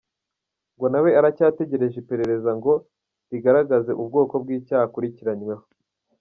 Ngo nawe aracyategereje iperereza ngo rigaragaze ubwoko bw’ibyaha akurikiranyweho.